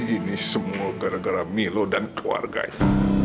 ini semua gara gara milo dan keluarganya